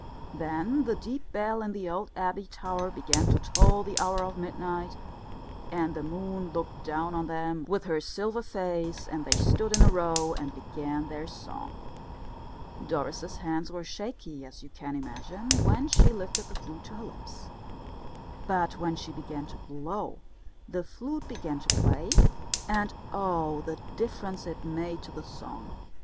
Then the deep bell in the old abbey tower began to toll the hour of midnight, and the moon looked down on them with her silver face, and they stood in a row and began their song. Doris's hands were shaky, as you can imagine, when she lifted the flute to her lips. But when she began to blow, the flute began to play; and oh, the difference it made to the song!